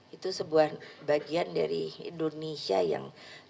itu sebuah bagian dari indonesia yang